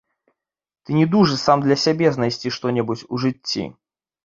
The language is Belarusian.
Ты не дужы сам для сябе знайсці што-небудзь у жыцці.